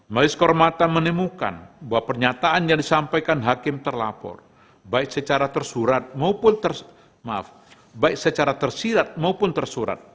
majelis kehormatan menimukan bahwa pernyataan yang disampaikan hakim terlapor baik secara tersirat maupun tersurat